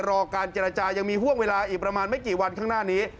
รอการเจรจายังมีห่วงเวลาอีกประมาณไม่กี่วันข้างหน้านี้